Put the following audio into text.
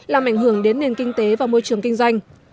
làm ảnh hưởng đến nền kinh tế và môi trường kinh doanh